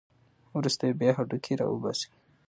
وروسته یې بیا هډوکي راوباسي.